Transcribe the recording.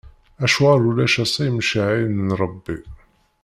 Acuɣer ulac ass-a imceyyɛen n Ṛebbi?